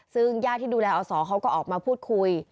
ซึ่งญาติที่ดูแลอศเขาก็ออกมาพูดคุย